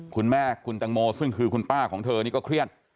คุณแม่คุณตังโมซึ่งคือคุณป้าของเธอนี่ก็เครียด